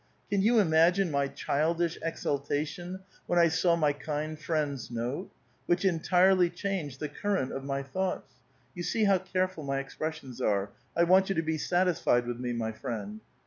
Can you imagine my childish exultation when I saw my kind friend's note, which entirely' changed the current cf my thoughts (you sec how careful my expressions are ; I want you to be satisfied with me, my friend).